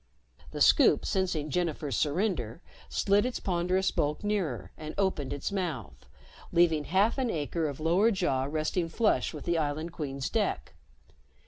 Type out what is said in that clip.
The Scoop, sensing Jennifer's surrender, slid its ponderous bulk nearer and opened its mouth, leaving half an acre of lower jaw resting flush with the Island Queen's deck.